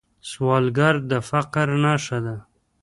سوالګر د فقر نښه ده